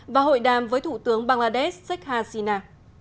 và hội đàm với thủ tướng bangladesh sheikh hasina